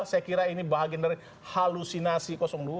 saya kira ini bahagian dari halusinasi dua